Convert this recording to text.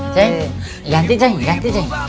ceng ganti ceng ganti ceng